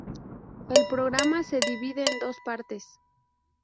El programa se divide en dos partes.